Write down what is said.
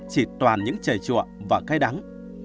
chỉ toàn những chề chùa và cay đắng